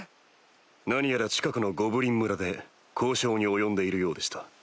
何やら近くのゴブリン村で交渉に及んでいるようでした。